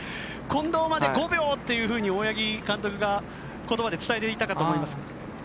近藤まで５秒！というふうに大八木監督が言葉で伝えていたかと思います。